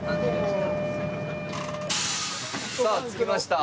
さあ着きました。